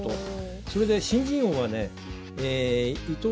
それで新人王はね伊藤匠